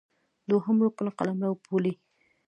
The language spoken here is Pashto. دوهم رکن قلمرو ، پولې